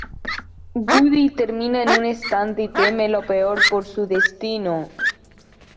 Woody termina en un estante y teme lo peor por su destino.